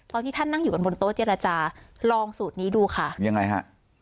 ที่ท่านนั่งอยู่กันบนโต๊ะเจรจาลองสูตรนี้ดูค่ะยังไงฮะ